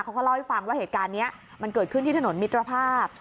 เขาก็เล่าให้ฟังว่าเหตุการณ์นี้มันเกิดขึ้นที่ถนนมิตรภาพ